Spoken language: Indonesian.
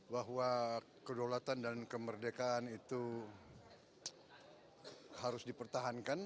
bahwa kedaulatan dan kemerdekaan itu harus dipertahankan